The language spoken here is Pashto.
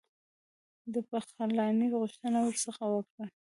د پخلایني غوښتنه ورڅخه وکړه.